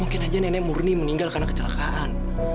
mungkin saja nenek murni meninggal karena kecelakaan